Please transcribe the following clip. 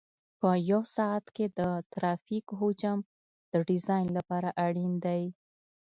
په یو ساعت کې د ترافیک حجم د ډیزاین لپاره اړین دی